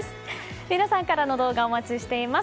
皆さんからの動画お待ちしています。